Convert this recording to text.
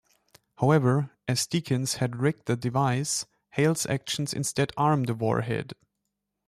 However, as Deakins had rigged the device, Hale's actions instead arm the warhead.